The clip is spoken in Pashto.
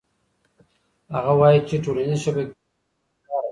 هغه وایي چې ټولنيزې شبکې د یووالي لاره ده.